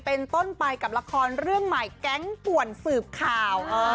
เป็นต้นไปกับละครเรื่องใหม่แก๊งป่วนสืบข่าว